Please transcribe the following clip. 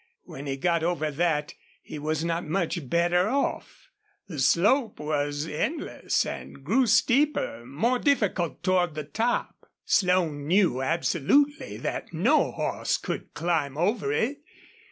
When he got over that he was not much better off. The slope above was endless and grew steeper, more difficult toward the top. Slone knew absolutely that no horse could climb over it.